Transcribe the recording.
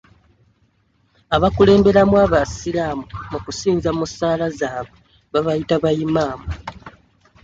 Abakulemberamu abasiraamu mu kusinza mu ssaala zaabwe babayita yimaamu.